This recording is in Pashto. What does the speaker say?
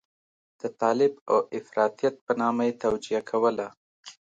د طالب او افراطيت په نامه یې توجیه کوله.